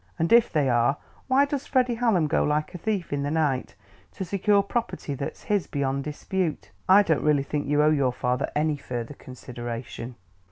And if they are, why does Freddie Hallam go like a thief in the night to secure property that's his beyond dispute?... I don't really think you owe your father any further consideration."